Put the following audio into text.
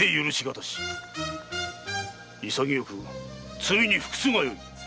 潔く罪に服すがよい！